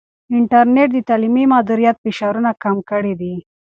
انټرنیټ د تعلیمي مدیریت فشارونه کم کړي دي.